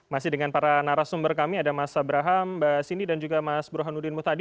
masih dengan para narasumber kami ada mas abraham mbak sindi dan juga mas burhanuddin muhtadi